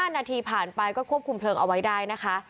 ๕นาทีผ่านไปก็ควบคุมเพลิงเอาไว้ได้นะคะ